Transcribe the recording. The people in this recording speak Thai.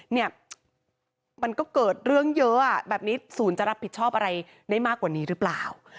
เนี่ยมันก็เกิดเรื่องเยอะแบบนี้ศูนย์จะรับผิดชอบอะไรได้มากกว่านี้หรือเปล่า